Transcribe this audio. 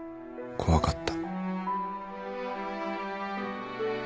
怖かった。